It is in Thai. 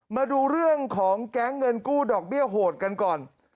มาดูเรื่องของแก๊งเงินกู้ดอกเบี้ยโหดกันก่อน